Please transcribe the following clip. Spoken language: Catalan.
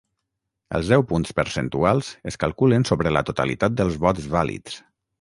Els deu punts percentuals es calculen sobre la totalitat dels vots vàlids.